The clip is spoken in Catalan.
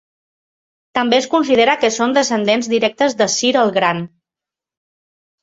També es considera que són descendents directes de Cir el Gran.